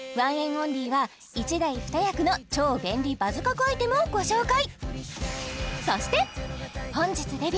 ’ＯＮＬＹは１台２役の超便利バズ確アイテムをご紹介そして本日デビュー